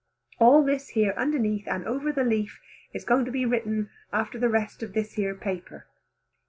All this here underneath and over the leaf is going to be written after the rest of this here paper.